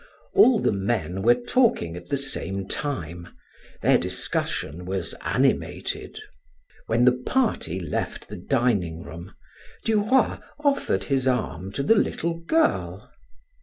All the men were talking at the same time; their discussion was animated. When the party left the dining room, Duroy offered his arm to the little girl.